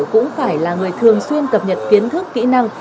cũng phải là người thường xuyên cập nhật kiến thức kỹ năng